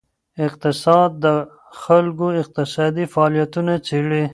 اقتصاد د خلکو اقتصادي فعالیتونه څیړي.